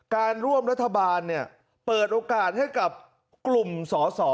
การร่วมรัฐบาลเปิดโอกาสให้กับกลุ่มสอสอ